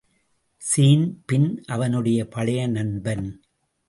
Sean பின் அவனுடைய பழைய நண்பன்.